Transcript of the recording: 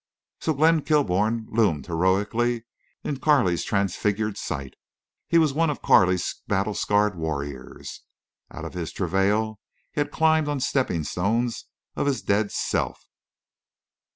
So Glenn Kilbourne loomed heroically in Carley's transfigured sight. He was one of Carley's battle scarred warriors. Out of his travail he had climbed on stepping stones of his dead self.